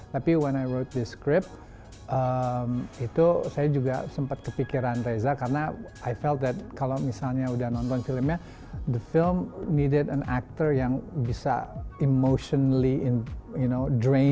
tapi ketika saya menulis skrip ini itu saya juga sempat kepikiran reza karena saya merasa kalau misalnya sudah nonton filmnya film itu butuh seorang aktor yang bisa membuat karakternya terpenuhi emosi